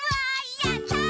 やったー！」